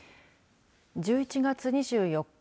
１１月２４日